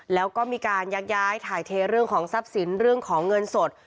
แล้วก็มีการยักย้ายถ่ายเทเรื่องของทรัพย์สินเรื่องของเงินสด